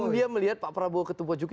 dia melihat pak prabowo ketua jokowi